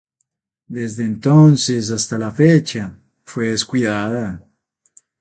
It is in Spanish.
Desde ese entonces hasta la fecha, fue descuidada.